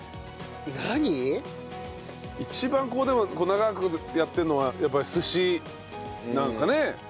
一番こうでも長くやってるのはやっぱり寿司なんですかね？